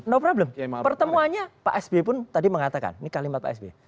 no problem pertemuannya pak sby pun tadi mengatakan ini kalimat pak sby